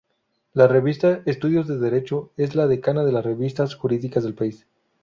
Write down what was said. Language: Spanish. La revista Estudios de Derecho es la decana de las revistas jurídicas del país.